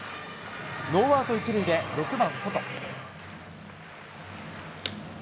ノーアウト１塁で６番ソト。